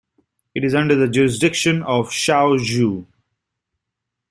It is under the jurisdiction of Chaozhou.